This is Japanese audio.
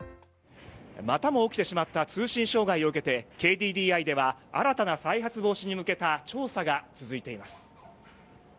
またも起きてしまった通信障害を受けてＫＤＤＩでは新たな再発防止に向けた調査が続いています。